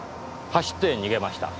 走って逃げました。